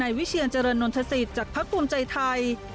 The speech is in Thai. วิเชียรเจริญนนทศิษย์จากพักภูมิใจไทย